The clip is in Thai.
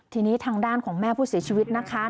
ทีนี้ทางด้านของแม่ผู้เสียชีวิตนะคะ